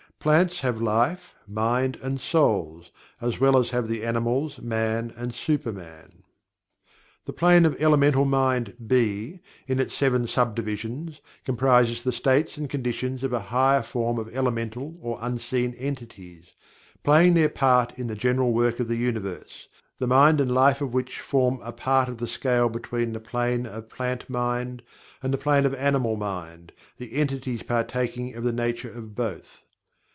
Plants have life, mind and "souls," as well as have the animals, man, and super man. The Plane of Elemental Mind (B), in its seven sub divisions, comprises the states and conditions of a higher form of "elemental" or unseen entities, playing their part in the general work of the Universe, the mind and life of which form a part of the scale between the Plane of Plant Mind and the Plane of Animal Mind, the entities partaking of the nature of both.